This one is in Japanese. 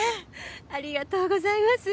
ありがとうございます。